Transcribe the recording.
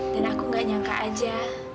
dan aku gak nyangka aja